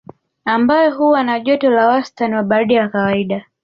Ambayo huwa na joto la wastani na baridi la kawaida